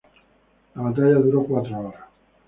La batalla duró cuatro horas.